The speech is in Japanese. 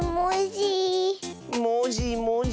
もじもじ。